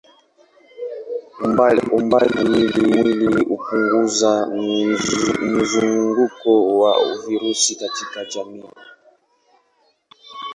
Umbali kimwili hupunguza mzunguko wa virusi katika jamii.